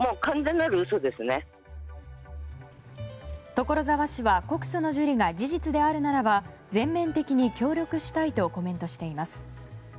所沢市は告訴の受理が事実であるならば全面的に協力したいとコメントしています。